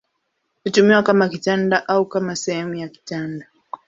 Hutumiwa kama kitanda au kama sehemu ya kitanda.